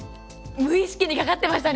無意識にかかってましたね。ね。